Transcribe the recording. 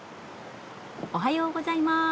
おはようございます。